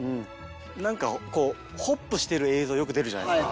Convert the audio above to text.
なんかこうホップしてる映像よく出るじゃないですか。